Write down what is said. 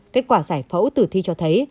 kết quả giải phẫu tử thi cho thấy